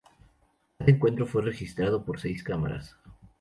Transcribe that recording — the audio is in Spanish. Cada encuentro fue registrado por seis cámaras.